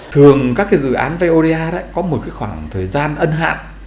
thường các dự án voda có một khoảng thời gian ân hạn